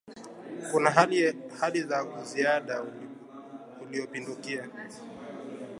kuna hali za uziada uliopindukia